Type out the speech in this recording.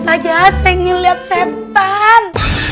stajat saya ngeliat setan